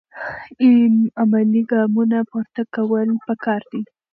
عملي ګامونه پورته کول پکار دي.